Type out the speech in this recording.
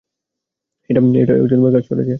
এটা কাজ করেছে।